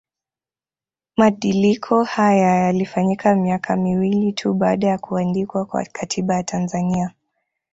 Madiliko haya yalifanyika miaka miwili tu baada ya kuandikwa kwa Katiba ya Tanzania